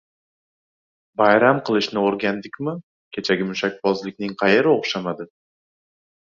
Bayram qilishni o‘rgandikmi? Kechagi mushakbozlikning qayeri o‘xshamadi?